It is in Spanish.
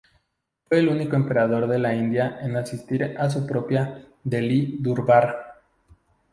Fue el único emperador de la India en asistir a su propia "Delhi Durbar".